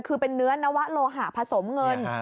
คือเป็นเนื้อนวะโลหะผสมเงิน